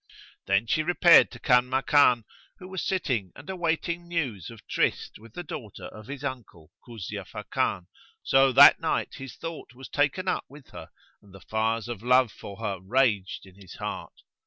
Then she repaired to Kanmakan, who was sitting and awaiting news of tryst with the daughter of his uncle, Kuzia Fakan; so that night his thought was taken up with her and the fires of love for her raged in his heart.